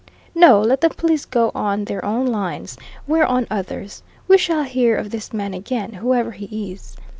No, let the police go on their own lines we're on others. We shall hear of this man again, whoever he is.